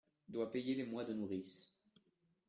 Doit payer les mois de nourrice.